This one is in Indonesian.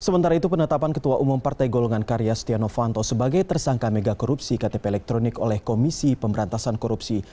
sementara itu penetapan ketua umum partai golongan karya setia novanto sebagai tersangka mega korupsi ktp elektronik oleh komisi pemberantasan korupsi